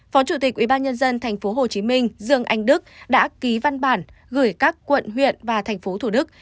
phó chủ tịch ubnd tp hcm dương anh đức đã ký văn bản gửi các quận huyện và thành phố thủ đức